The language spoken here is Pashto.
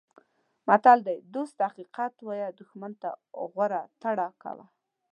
متل دی: دوست ته حقیقت وایه دوښمن ته غوره ترړه کوه.